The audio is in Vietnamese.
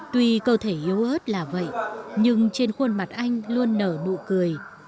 tuy cơ thể yếu ớt là vậy nhưng trên khuôn mặt anh luôn nở nụ cười